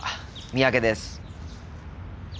三宅です。